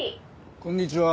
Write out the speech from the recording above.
こんにちは。